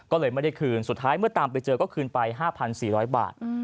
ก็เลยไม่ได้คืนสุดท้ายเมื่อตามไปเจอก็คืนไป๕๔๐๐บาท